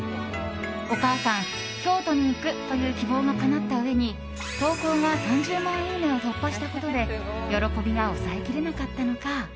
お母さん、京都に行くという希望がかなったうえに投稿が３０万いいねを突破したことで喜びが抑えきれなかったのか。